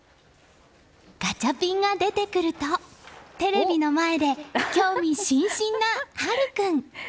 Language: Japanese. ガチャピンが出てくるとテレビの前で興味津々な大君。